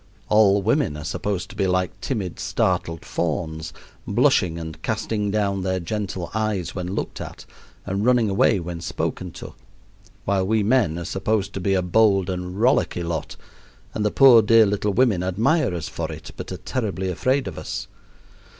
All women are supposed to be like timid, startled fawns, blushing and casting down their gentle eyes when looked at and running away when spoken to; while we men are supposed to be a bold and rollicky lot, and the poor dear little women admire us for it, but are terribly afraid of us.